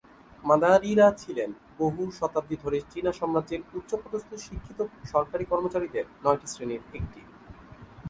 মাঁদারিঁ-রা ছিলেন বহু শতাব্দী ধরে চীনা সাম্রাজ্যের উচ্চপদস্থ শিক্ষিত সরকারী কর্মচারীদের নয়টি শ্রেণীর একটি।